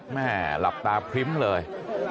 หลับตาพริ้มเลย